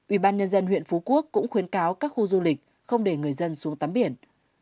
ubnd huyện phú quốc cũng khuyến cáo các khu du lịch không để người dân xuống tắm biển